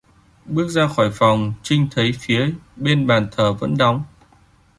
Bước ra khỏi phòng chinh thấy phía bên bàn thờ vẫn đóng